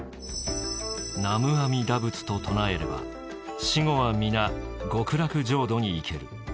「南無阿弥陀仏と唱えれば死後は皆極楽浄土に行ける」。